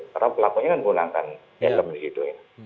karena pelakunya kan menggunakan ekornya di situ